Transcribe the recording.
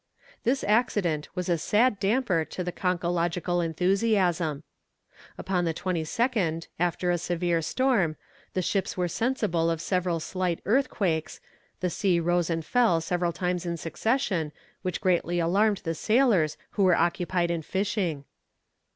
This accident was a sad damper to conchological enthusiasm. Upon the 22nd, after a severe storm, the ships were sensible of several slight earthquakes, the sea rose and fell several times in succession, which greatly alarmed the sailors who were occupied in fishing.